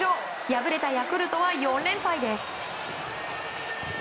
敗れたヤクルトは４連敗です。